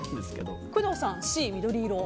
工藤さんはＣ、緑色。